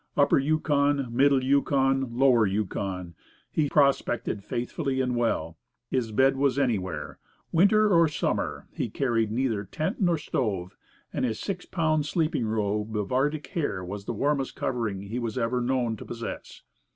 Upper Yukon, Middle Yukon, Lower Yukon he prospected faithfully and well. His bed was anywhere. Winter or summer he carried neither tent nor stove, and his six pound sleeping robe of Arctic hare was the warmest covering he was ever known to possess.